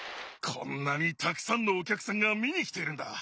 こんなにたくさんのお客さんが見に来ているんだ。